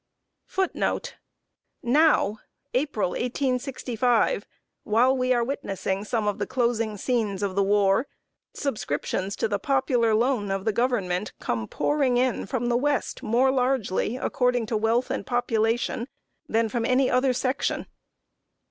Now (April, 1865), while we are witnessing some of the closing scenes of the war, subscriptions to the popular loan of the Government come pouring in from the West more largely, according to wealth and population, than from any other section.